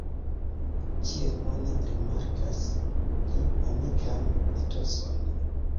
Ĉiel oni rimarkas pli amikan etoson.